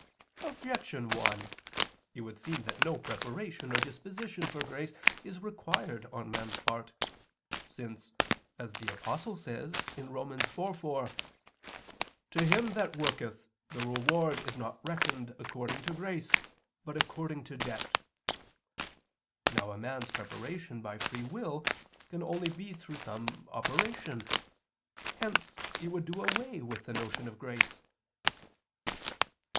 Objection 1: It would seem that no preparation or disposition for grace is required on man's part, since, as the Apostle says (Rom. 4:4), "To him that worketh, the reward is not reckoned according to grace, but according to debt." Now a man's preparation by free will can only be through some operation. Hence it would do away with the notion of grace.